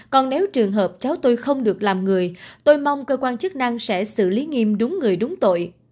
còn nếu trường hợp cháu tôi không được làm người tôi mong cơ quan chức năng sẽ xử lý nghiêm đúng người đúng tội